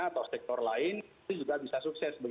atau sektor lain itu juga bisa sukses